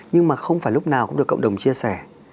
nhưng mà không phải lúc nào cũng được cộng đồng chia sẻ